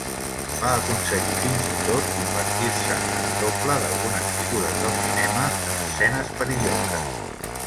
Va aconseguir fins i tot convertir-se en doble d'algunes figures del cinema en escenes perilloses.